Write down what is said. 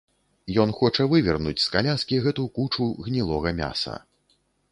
Ён хоча вывернуць з каляскі гэту кучу гнілога мяса.